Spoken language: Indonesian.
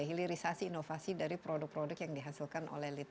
hilirisasi inovasi dari produk produk yang dihasilkan oleh litbang